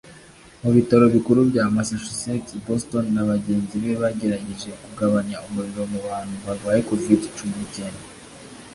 mu bitaro bikuru bya Massachusetts i Boston na bagenzi be bagerageje kugabanya umuriro mu bantu barwaye covid-cumi nicyenda